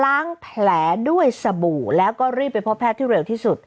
แผลด้วยสบู่แล้วก็รีบไปพบแพทย์ที่เร็วที่สุด